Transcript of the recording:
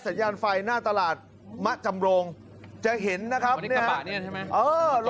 สัญญาณไฟหน้าตลาดมะจำโรงจะเห็นนะครับอันนี้กระบะเนี่ยใช่ไหมเออ